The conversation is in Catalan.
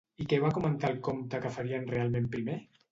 I què va comentar el comte que farien realment primer?